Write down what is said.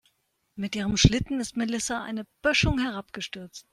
Mit ihrem Schlitten ist Melissa eine Böschung herabgestürzt.